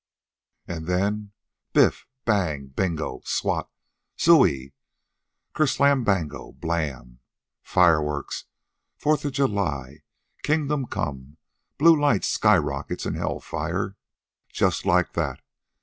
"An' then Biff! Bang! Bingo! Swat! Zooie! Ker slambango blam! Fireworks, Fourth of July, Kingdom Come, blue lights, sky rockets, an' hell fire just like that.